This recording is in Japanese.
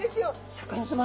シャーク香音さま